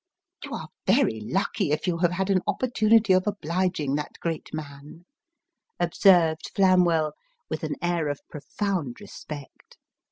" You are very lucky, if you have had an opportunity of obliging that great man," observed Flamwell, with an air of profound respect.